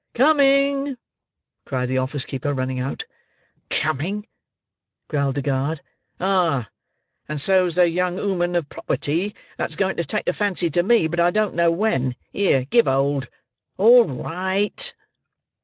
"Coming!" cried the office keeper, running out. "Coming," growled the guard. "Ah, and so's the young 'ooman of property that's going to take a fancy to me, but I don't know when. Here, give hold. All ri—ight!"